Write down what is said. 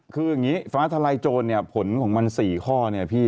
คืออย่างนี้ฟ้าทลายโจรเนี่ยผลของมัน๔ข้อเนี่ยพี่